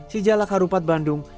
sijalak harupat bandung